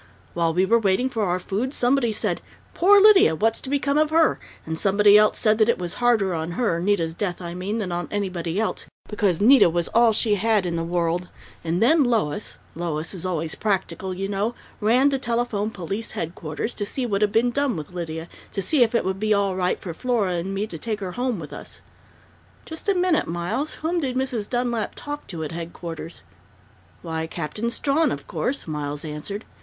"While we were waiting for our food, somebody said, 'Poor Lydia! What's going to become of her?' And somebody else said that it was harder on her Nita's death, I mean than on anybody else, because Nita was all she had in the world, and then Lois Lois is always practical, you know ran to telephone Police Headquarters, to see what had been done with Lydia, and to see if it would be all right for Flora and me to take her home with us " "Just a minute, Miles! Whom did Mrs. Dunlap talk to at Headquarters?" "Why, Captain Strawn, of course," Miles answered.